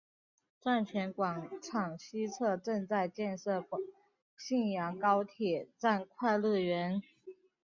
站前广场西侧正在建设信阳高铁站快乐园。